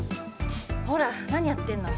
ほらなにやってんの？